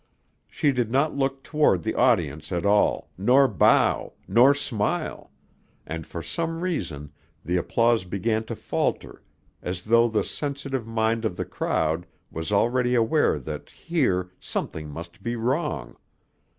She did not look toward the audience at all, nor bow, nor smile, and for some reason the applause began to falter as though the sensitive mind of the crowd was already aware that here something must be wrong.